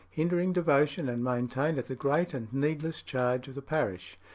hindering devotion and maintained at the great and needless charge of the parish."